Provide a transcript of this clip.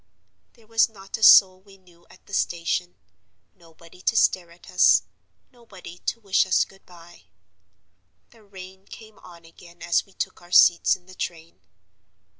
There was not a soul we knew at the station; nobody to stare at us, nobody to wish us good by. The rain came on again as we took our seats in the train.